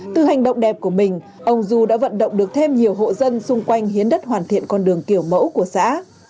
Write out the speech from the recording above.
từ hành động đẹp của mình ông du đã vận động được thêm nhiều hộ dân xung quanh hiến đất hoàn thiện con đường kiểu mẫu của xã